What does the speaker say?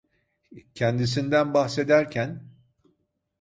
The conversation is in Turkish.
Kendisinden bahsederken: